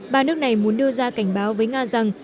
ba nước này muốn đưa ra cảnh báo với nga rằng